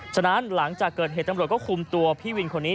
ฉะนั้นหลังจากเกิดเหตุตำรวจก็คุมตัวพี่วินคนนี้